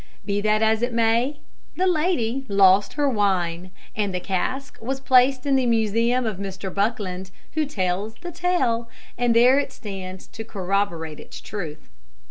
Be that as it may, the lady lost her wine; and the cask was placed in the museum of Mr Buckland, who tells the tale, and there it stands to corroborate its truth.